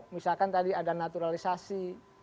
misalkan tadi ada naturalisasi